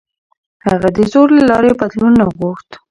هغه د زور له لارې بدلون نه غوښت.